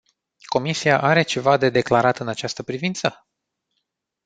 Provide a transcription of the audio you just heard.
Comisia are ceva de declarat în această privință?